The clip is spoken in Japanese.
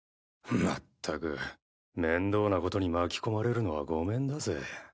まったく面倒なことに巻き込まれるのはごめんだぜ。